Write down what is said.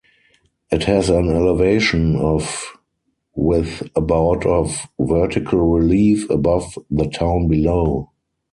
It has an elevation of with about of vertical relief above the town below.